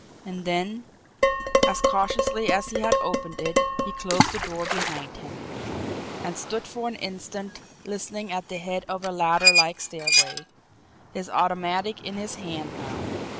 And then, as cautiously as he had opened it, he closed the door behind him, and stood for an instant listening at the head of a ladder like stairway, his automatic in his hand now.